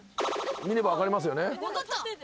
見れば分かりますよね。